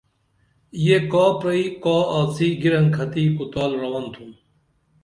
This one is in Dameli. یہ کا پرئی کا آڅی گِرنکھتی کُتال رون تُھم